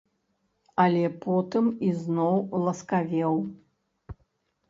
Але потым ізноў ласкавеў.